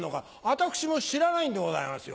私も知らないんでございますよ。